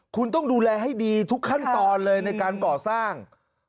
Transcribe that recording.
คุณต้องดูแลให้ดีทุกขั้นตอนเลยในการก่อสร้าง